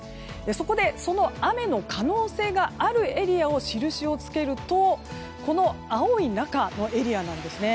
そこでその雨の可能性があるエリアに印をつけるとこの青い中のエリアなんですね。